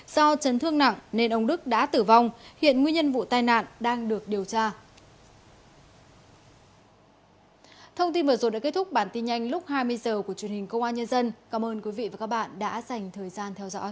do chấn thương nặng nên ông đức đã tử vong hiện nguyên nhân vụ tai nạn đang được điều tra